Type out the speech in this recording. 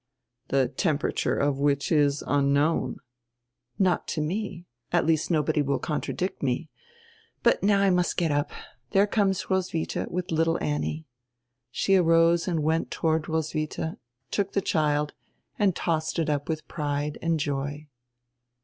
"The temperature of which is unknown." "Not to me; at least nobody will contradict me. But now I must get up. There conies Roswidia with little Annie." She arose and went toward Roswidia, took die child, and tossed it up with pride and joy.